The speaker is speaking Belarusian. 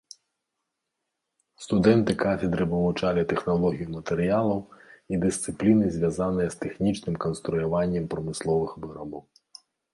Студэнты кафедры вывучалі тэхналогію матэрыялаў і дысцыпліны звязаныя з тэхнічным канструяваннем прамысловых вырабаў.